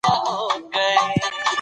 زده کړې نجونې د خلکو ترمنځ اعتماد ساتي.